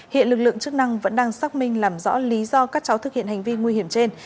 hiện lực lượng chức năng vẫn đang xác minh làm rõ lý do các cháu thực hiện hành vi nguy hiểm trên